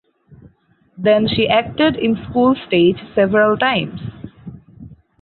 Then she acted in school stage several times.